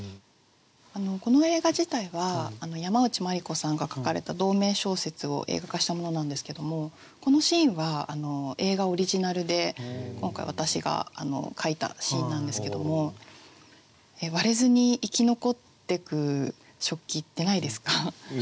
この映画自体は山内マリコさんが書かれた同名小説を映画化したものなんですけどもこのシーンは映画オリジナルで今回私が書いたシーンなんですけども割れずに生き残ってく食器ってないですか？